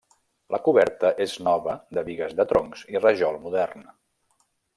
La coberta és nova de bigues de troncs i rajol modern.